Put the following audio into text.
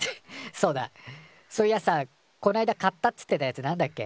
そうだそういやさこないだ買ったっつってたやつなんだっけ？